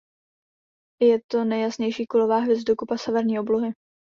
Je to nejjasnější kulová hvězdokupa severní oblohy.